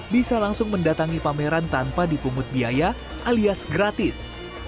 bisa langsung mendatangi pameran tanpa dipungut biaya alias gratis